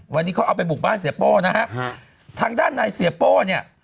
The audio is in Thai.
วันนี้เขาเอาไปบุกบ้านเสียโป้นะฮะทางด้านในเสียโป้เนี่ย